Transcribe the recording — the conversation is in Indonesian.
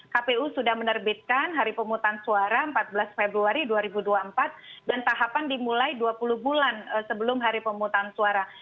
kpu sudah menerbitkan hari pemutusan suara empat belas februari dua ribu dua puluh empat dan tahapan dimulai dua puluh bulan sebelum hari pemutusan suara